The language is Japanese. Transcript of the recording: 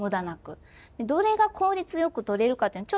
どれが効率よくとれるかっていうのはちょっとこれをね